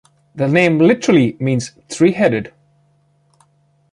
The name literally means "three headed".